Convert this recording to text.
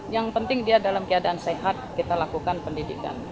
yang penting dia dalam keadaan sehat kita lakukan pendidikan